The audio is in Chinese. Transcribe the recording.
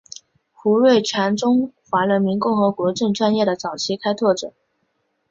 胡瑞荃中华人民共和国证券业的早期开拓者。